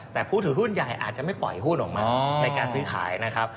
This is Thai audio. แต่ผู้ถือหุ้นใหญ่อาจจะไม่ปล่อยหุ้นออกมาในการซื้อขายนะครับ